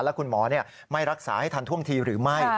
และคุณหมอไม่รักษาให้ทันท่วงทีหรือไม่